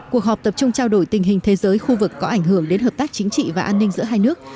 cuộc họp tập trung trao đổi tình hình thế giới khu vực có ảnh hưởng đến hợp tác chính trị và an ninh giữa hai nước